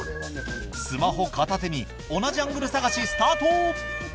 スマホ片手に同じアングル探しスタート！